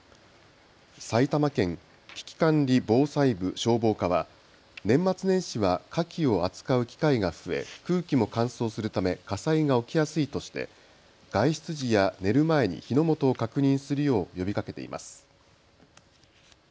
埼玉県危機管理防災部消防課は年末年始は火気を扱う機会が増え、空気も乾燥するため火災が起きやすいとして外出時や寝る前に火の元を確認するよう呼びかけています。